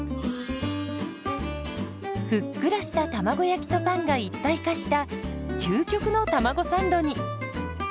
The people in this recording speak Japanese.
ふっくらした卵焼きとパンが一体化した究極のたまごサンドに。